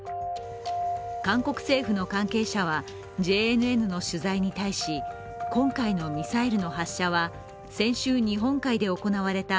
韓国政府の関係者は、ＪＮＮの取材に対し、今回のミサイルの発射は先週日本海で行われた